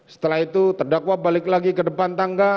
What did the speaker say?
setelah itu terdakwa balik lagi ke depan tangga